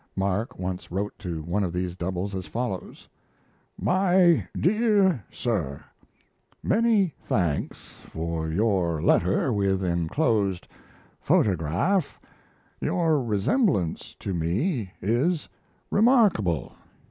Mark once wrote to one of these doubles as follows: MY DEAR SIR Many thanks for your letter, with enclosed photograph. Your resemblance to me is remarkable.